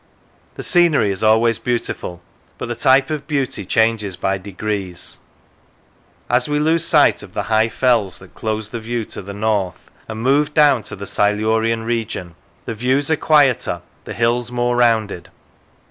The scenery is always beauti ful, but the type of beauty changes by degrees. As we lose sight of the high fells that close the view to 178 Lonsdale North of the Sands the north, and move down to the Silurian region, the views are quieter, the hills more rounded.